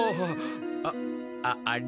あっああれ？